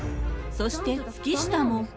そして月下も。